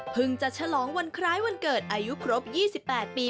เพิ่งจะฉลองวันคล้ายวันเกิดอายุครบยี่สิบแปดปี